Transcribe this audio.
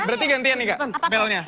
berarti gantian nih